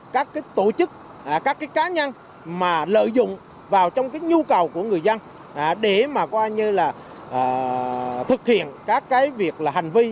các tổ chức các cá nhân lợi dụng vào trong nhu cầu của người dân để thực hiện các việc hành vi